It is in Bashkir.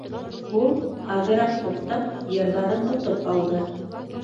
Ул, аҙыраҡ туҡтап, йырҙарын отоп алды: